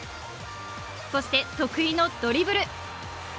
そして得意のドリブル。